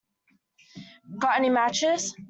Got any matches?